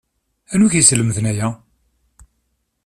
Anwi i k-yeslemden aya